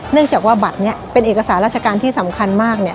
เนื่องจากว่าบัตรนี้เป็นเอกสารราชการที่สำคัญมากเนี่ย